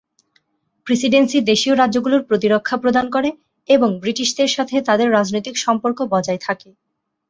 Presidency দেশীয় রাজ্যগুলোর প্রতিরক্ষা প্রদান করে এবং ব্রিটিশদের সাথে তাদের রাজনৈতিক সম্পর্ক বজায় থাকে।